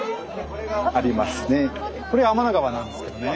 これ天の川なんですけどね